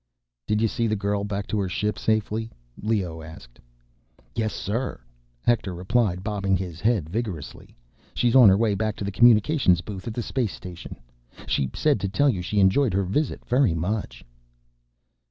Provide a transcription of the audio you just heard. "Did you see the girl back to her ship safely?" Leoh asked. "Yes, sir," Hector replied, bobbing his head vigorously. "She's on her way back to the communications booth at the space station. She said to tell you she enjoyed her visit very much."